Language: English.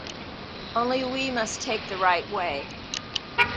Only we must take the right way.